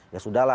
ya sudah lah